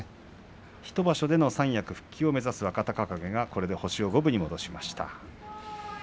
１場所での三役復帰を目指す若隆景が星を五分に戻しました。